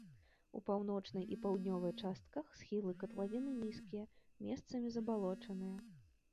У паўночнай і паўднёвай частках схілы катлавіны нізкія, месцамі забалочаныя.